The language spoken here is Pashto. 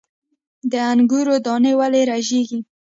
د انګورو دانې ولې رژیږي؟